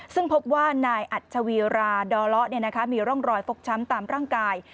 ซึ่งพบว่านายอัชวีราดอเลาะมีร่องรอยฟกช้ำตามร่างกาย